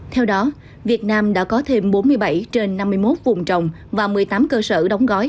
theo đó việt nam đã có thêm bốn mươi bảy trên năm mươi một vùng trồng và một mươi tám cơ sở đóng gói